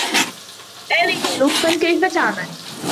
أرني لطفا كيف تعمل.